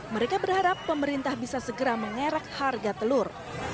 mereka berharap pemerintah bisa segera mengerak harga telur